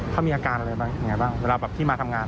เขามีอาการอะไรบ้างยังไงบ้างเวลาแบบที่มาทำงาน